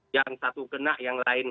yang satu kena yang lain